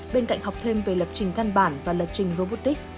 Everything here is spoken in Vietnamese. bên cạnh học thêm về lập trình căn bản và lập trình robotics